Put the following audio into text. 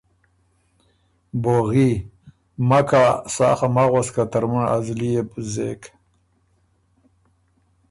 بوغی: مکا سا خه مک غؤس که ترمُن ا زلی يې بُو زېک۔